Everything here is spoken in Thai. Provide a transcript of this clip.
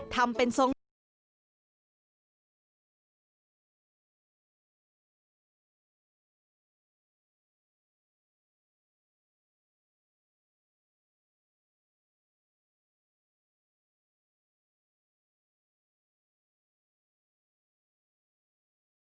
ทำเป็นทรงนี้